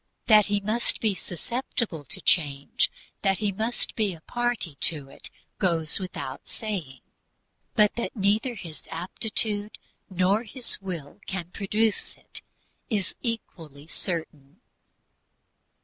That he must be susceptible to that change, that he must be a party to it, goes without saying; but that neither his aptitude nor his will can produce it, is equally certain.